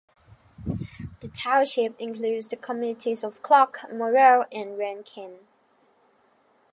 The township includes the communities of Klock, Morel, and Rankin.